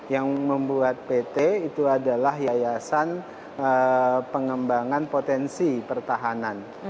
yang membuat pt itu adalah yayasan pengembangan potensi pertahanan